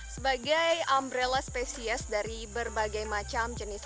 sebagai umbrella spesies dari berbagai macam jenis